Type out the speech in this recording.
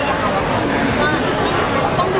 เอาจริงจริงนะ